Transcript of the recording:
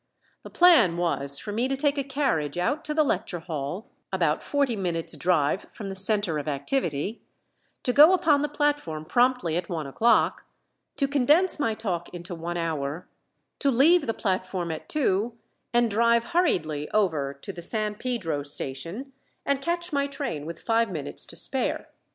The plan was for me to take a carriage out to the lecture hall, about forty minutes' drive from the center of activity, to go upon the platform promptly at one o'clock, to condense my talk into one hour, to leave the platform at two, and drive hurriedly over to the San Pedro station, and catch my train with five minutes to spare.